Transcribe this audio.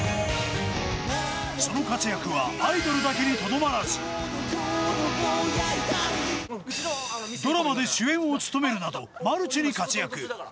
その活躍はアイドルだけにとどまらずドラマで主演を務めるなどマルチに活躍。